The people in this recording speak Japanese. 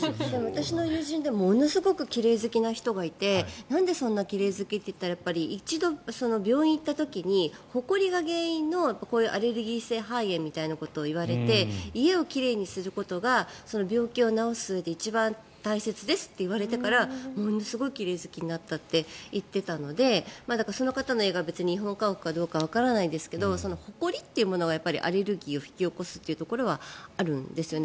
私の友人でものすごく奇麗好きな人がいてなんでそんなに奇麗好きって言ったら一度、病院に行った時にほこりが原因のアレルギー性肺炎と言われて家を奇麗にすることが病気を治すうえで一番大切ですって言われてからものすごい奇麗好きになったって言っていたのでその方の家が日本家屋かどうかわからないですがほこりっていうものがアレルギーを引き起こすというところはあるんですよね。